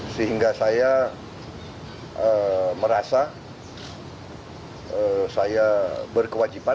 sehingga saya merasa saya berkewajiban